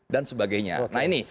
dan sebagainya nah ini